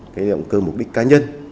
cơ mục đích cá nhân